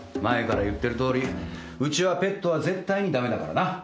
前から言ってるとおりうちはペットは絶対に駄目だからな。